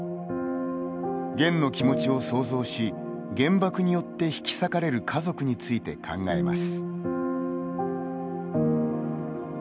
ゲンの気持ちを想像し原爆によって、引きさかれる家族について考えます。